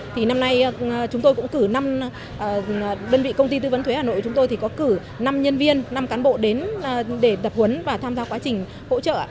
thì năm nay chúng tôi cũng cử năm đơn vị công ty tư vấn thuế hà nội chúng tôi thì có cử năm nhân viên năm cán bộ đến để tập huấn và tham gia quá trình hỗ trợ